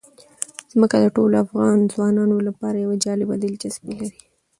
ځمکه د ټولو افغان ځوانانو لپاره یوه جالبه دلچسپي لري.